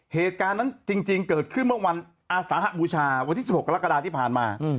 เหตุการณ์นั้นจริงเกิดขึ้นเมื่อวันอาสาหบูชาวันที่๑๖กรกฎาที่ผ่านมา